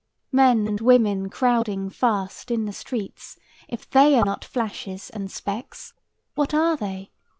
Men and women crowding fast in the streets—if they are not flashes and specks, what are they?